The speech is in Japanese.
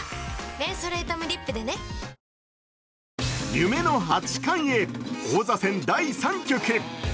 夢の八冠へ、王座戦第３局。